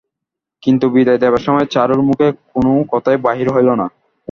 কিন্তু বিদায় দেবার সময় চারুর মুখে কোনো কথাই বাহির হইল না।